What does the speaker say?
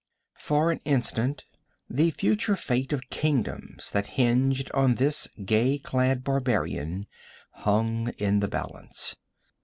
For an instant the future fate of kingdoms that hinged on this gay clad barbarian hung in the balance.